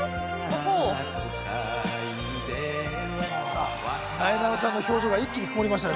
ほうさあなえなのちゃんの表情が一気に曇りましたね